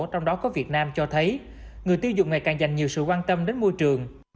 trong đó có việt nam cho thấy người tiêu dùng ngày càng dành nhiều sự quan tâm đến môi trường